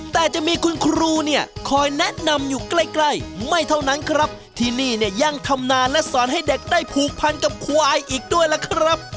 แต่จะมีคุณครูเนี่ยคอยแนะนำอยู่ใกล้ใกล้ไม่เท่านั้นครับที่นี่เนี่ยยังทำนานและสอนให้เด็กได้ผูกพันกับควายอีกด้วยล่ะครับ